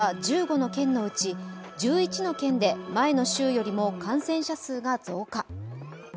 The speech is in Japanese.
昨日、感染状況を発表した１５の県のうち１１の県で前の週よりも感染者数が増加。